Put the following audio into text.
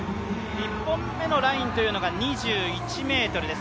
１本目のラインが２１ｍです。